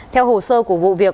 theo hồ sơ của vụ việc